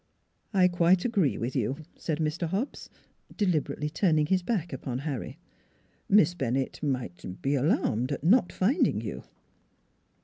" I quite agree with you," said Mr. Hobbs, deliberately turning his back upon Harry. " Miss Bennett might er be alarmed at not finding you."